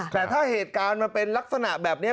แต่ถ้าเหตุการณ์มันเป็นลักษณะแบบนี้